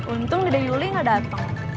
untung dede yuli gak dateng